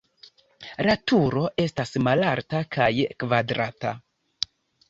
La turo estas malalta kaj kvadrata.